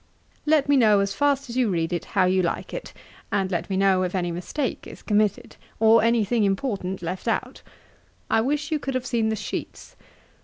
'Let me know, as fast as you read it, how you like it; and let me know if any mistake is committed, or any thing important left out. I wish you could have seen the sheets.